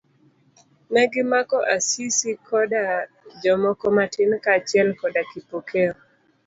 Negimako Asisi koda jomoko matin kaachiel koda Kipokeo.